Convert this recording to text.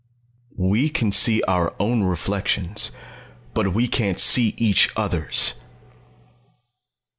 "_We we can see our own reflections, but we can't see each other's!